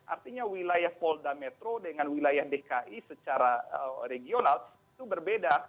artinya wilayah polda metro dengan wilayah dki secara regional itu berbeda